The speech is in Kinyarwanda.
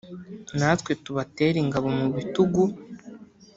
Natwe tubatere ingabo mu bitugu